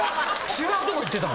違うとこ行ってたの？